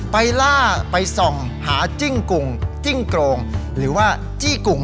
ล่าไปส่องหาจิ้งกุ่งจิ้งโกรงหรือว่าจี้กุ่ง